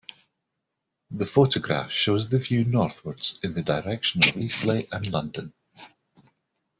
The photograph shows the view northwards in the direction of Eastleigh and London.